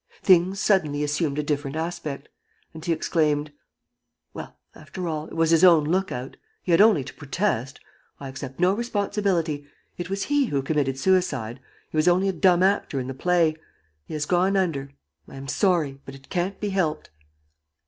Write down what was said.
Things suddenly assumed a different aspect. And he exclaimed: "Well, after all, it was his own look out! He had only to protest. ... I accept no responsibility. ... It was he who committed suicide. ... He was only a dumb actor in the play. ... He has gone under. ... I am sorry. ... But it can't be helped!"